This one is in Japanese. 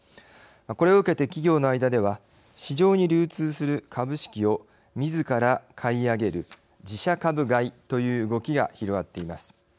これを受けて企業の間では市場に流通する株式をみずから買い上げる自社株買いという動きが広がっています。